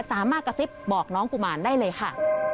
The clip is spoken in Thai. สามารถกระซิบบอกน้องกุมารได้เลยค่ะ